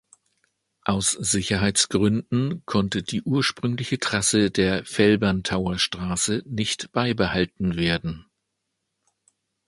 Aus Sicherheitsgründen konnte die ursprüngliche Trasse der Felbertauern Straße nicht beibehalten werden.